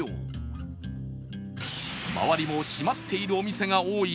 周りも閉まっているお店が多い